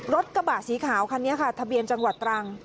รถกระบะสีขาวคันนี้ค่ะทะเบียนจังหวัดตรัง